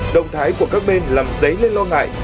động thái của các bên làm dấy lên lo ngại